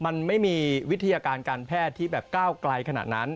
มันไม่มีวิทยาการการแพทย์ที่แบบก้าวไกลขนาดนั้น